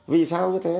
vì sao như thế